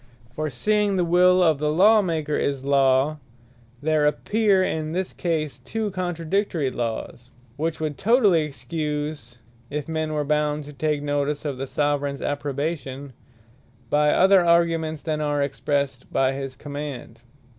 For seeing the will of the Law maker is a Law, there appear in this case two contradictory Lawes; which would totally Excuse, if men were bound to take notice of the Soveraigns approbation, by other arguments, than are expressed by his command.